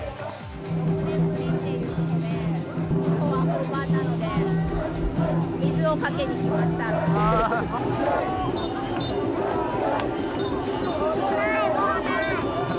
６年ぶりということで、きょうは本番なので、水をかけに来ました。ない、もうない！